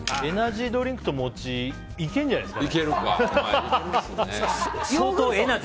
エナジードリンクと餅いけるんじゃないですか。